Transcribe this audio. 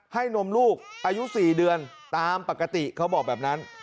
นมลูกอายุ๔เดือนตามปกติเขาบอกแบบนั้น